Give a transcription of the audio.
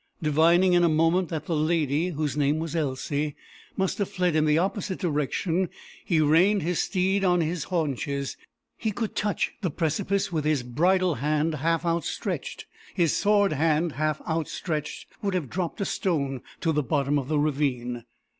Divining in a moment that the lady, whose name was Elsie, must have fled in the opposite direction, he reined his steed on his haunches. He could touch the precipice with his bridle hand half outstretched; his sword hand half outstretched would have dropped a stone to the bottom of the ravine.